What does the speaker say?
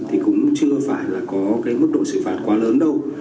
thì cũng chưa phải là có cái mức độ xử phạt quá lớn đâu